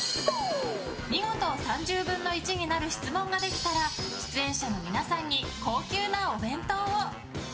見事、３０分の１になる質問ができたら出演者の皆さんに高級なお弁当を。